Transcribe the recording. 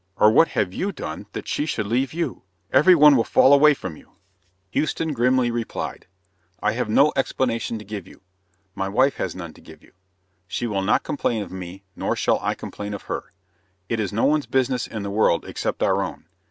Or what have you done that she should leave you? Every one will fall away from you." Houston grimly replied: "I have no explanation to give you. My wife has none to give you. She will not complain of me, nor shall I complain of her. It is no one's business in the world except our own.